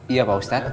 iya pak ustad